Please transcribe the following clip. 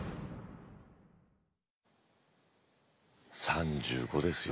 ３５ですよ